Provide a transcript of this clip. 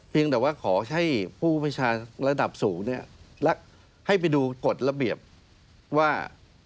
แต่ว่าขอให้ผู้ประชาระดับสูงเนี่ยและให้ไปดูกฎระเบียบว่า